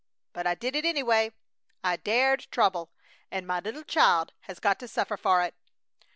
But I did it, anyway! I dared trouble! And my little child has got to suffer for it!"